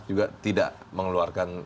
juga tidak mengeluarkan